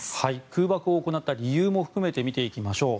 空爆を行った理由も含めて見ていきましょう。